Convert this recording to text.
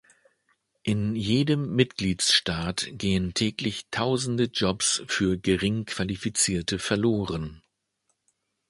In jedem Mitgliedstaat gehen täglich Tausende Jobs für Geringqualifizierte verloren.